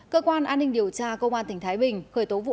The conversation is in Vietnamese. cơ quan an ninh điều tra công an tỉnh thái bình khởi tố vụ án